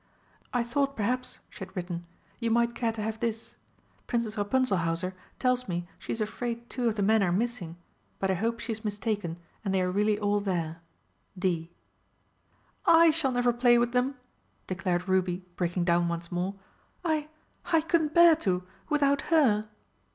"I thought perhaps," she had written, "_you might care to have this. Princess Rapunzelhauser tells me she is afraid two of the men are missing, but I hope she is mistaken and they are really all there. D._" "I shall never play with them!" declared Ruby breaking down once more. "I I couldn't bear to, without Her!"